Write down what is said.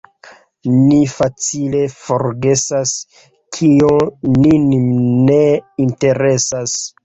Ni facile forgesas, kio nin ne interesas.